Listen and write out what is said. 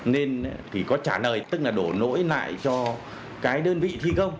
nên thì có trả lời tức là đổ lỗi lại cho cái đơn vị thi công